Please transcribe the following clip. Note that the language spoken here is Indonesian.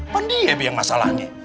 pendi ya biar masalahnya